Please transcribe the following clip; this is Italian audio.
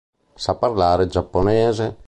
Sa parlare giapponese.